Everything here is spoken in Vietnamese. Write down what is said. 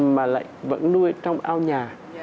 mà lại vẫn nuôi trong ao nhà